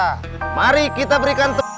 karena kesibukannya belum bisa hadir diantara kita